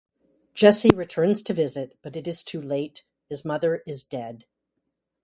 Jesse returns to visit but is too late; his mother is dead.